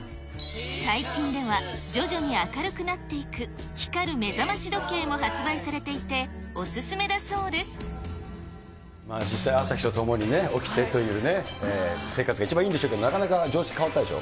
最近では、徐々に明るくなっていく、光る目覚まし時計も発売されていて、実際、朝日とともに起きてというね、生活が一番いいんでしょうけれども、なかなか常識変わったでしょ。